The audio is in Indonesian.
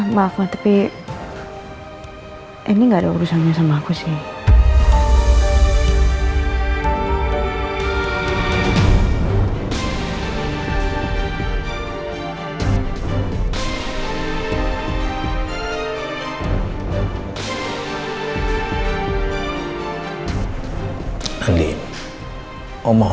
maaf tapi ini gak ada urusannya sama aku sih